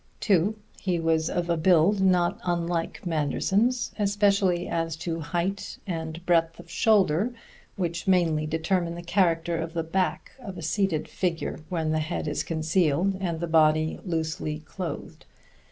(2) He was of a build not unlike Manderson's, especially as to height and breadth of shoulder, which mainly determine the character of the back of a seated figure when the head is concealed and the body loosely clothed.